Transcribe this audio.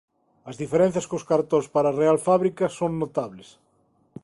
As diferenzas cos cartóns para a Real Fábrica son notables.